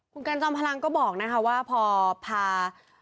คุณกันจอมพลังก็บอกนะคะว่าพอพา